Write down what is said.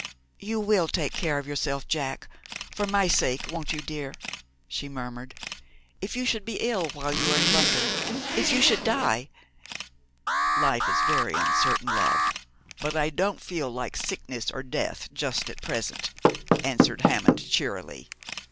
'You will take care of yourself, Jack, for my sake, won't you, dear?' she murmured. 'If you should be ill while you are in London! If you should die ' 'Life is very uncertain, love, but I don't feel like sickness or death just at present,' answered Hammond cheerily.